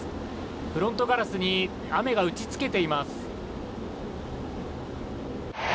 フロントガラスに雨が打ち付けています。